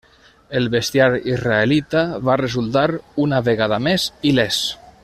El bestiar israelita va resultar, una vegada més, il·lès.